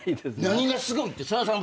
何がすごいってさださん